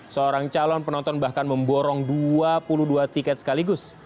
seorang calon penonton bahkan memborong dua puluh dua tiket sekaligus